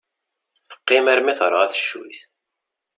Teqqim armi terɣa teccuyt.